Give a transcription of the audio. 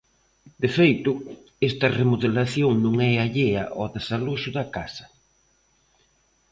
De feito, esta remodelación non é allea ao desaloxo da casa.